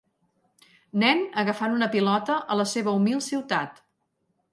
Nen agafant una pilota a la seva humil ciutat.